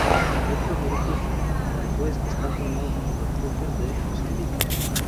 Otros grupos bantúes están formados por refugiados de Mozambique.